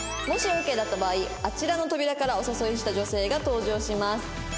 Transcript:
もしオッケーだった場合あちらの扉からお誘いした女性が登場します。